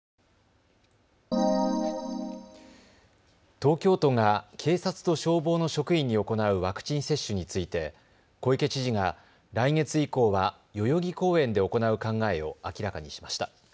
東京都が警察と消防の職員に行うワクチン接種について小池知事が来月以降は代々木公園で行う考えを明らかにしました。